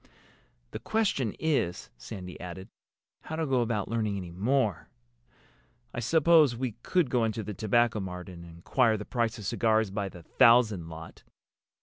The question is," Sandy added, "how to go about learning any more. I suppose we could go into the Tobacco Mart and inquire the price of cigars by the thousand lot."